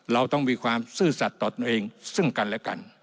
เราต้องมีความซื่อสัตว์ต่อตนเองซึ่งกันและกัน